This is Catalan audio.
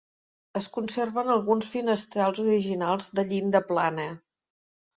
Es conserven alguns finestrals originals de llinda plana.